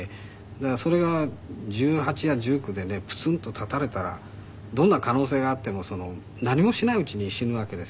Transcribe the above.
だからそれが１８や１９でねプツンと絶たれたらどんな可能性があっても何もしないうちに死ぬわけですよね。